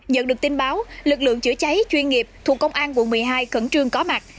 nhận được tin báo lực lượng chữa cháy chuyên nghiệp thuộc công an quận một mươi hai khẩn trương có mặt